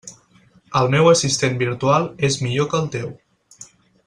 El meu assistent virtual és millor que el teu.